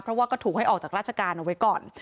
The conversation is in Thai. เพราะว่าก็ถูกให้ออกจากราชการเอาไว้ก่อน